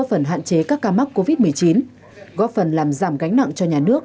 phần hạn chế các ca mắc covid một mươi chín góp phần làm giảm gánh nặng cho nhà nước